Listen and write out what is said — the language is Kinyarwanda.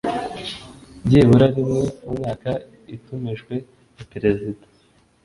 byibura rimwe mu mwaka itumijwe na perezida